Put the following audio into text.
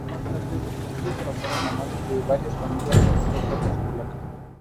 Más tarde, los castillos pasaron a manos de varias familias aristocráticas polacas.